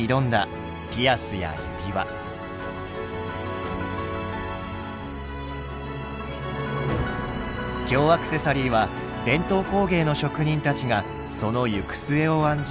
京アクセサリーは伝統工芸の職人たちがその行く末を案じて生み出しました。